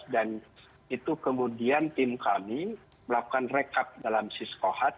dan itu kemudian tim kami melakukan rekap dalam siskohat